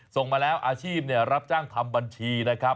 ส่งมาแล้วอาชีพรับจ้างทำบัญชีนะครับ